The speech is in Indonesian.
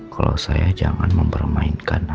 kalau saya jangan mempermainkan